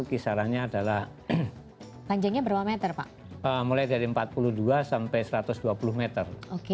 kisarannya adalah mulai dari empat puluh dua sampai satu ratus dua puluh meter